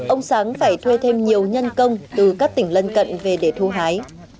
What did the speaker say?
ông sáng phải thuê thêm nhiều nhân công từ các tỉnh lân cận về để thu hái